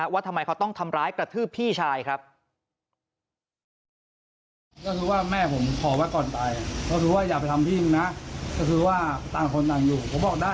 ว่าทำไมเขาต้องทำร้ายกระทืบพี่ชายครับ